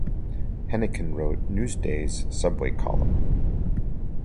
Henican wrote "Newsday"s subway column.